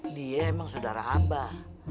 dia emang saudara abah